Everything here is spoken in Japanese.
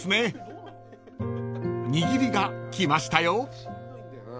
［にぎりが来ましたよ］